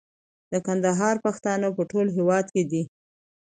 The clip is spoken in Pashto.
د کندهار پښتانه په ټول هيواد کي دي